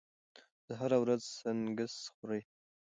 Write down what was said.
زه هره ورځ سنکس خوري.